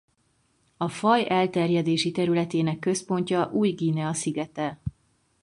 A faj elterjedési területének központja Új-Guinea szigete.